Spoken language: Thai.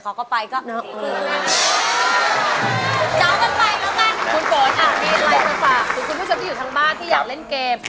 คุณโฟนมีอะไรจะฝากคุณผู้ชมที่อยู่ทางบ้านที่อยากเล่นเกม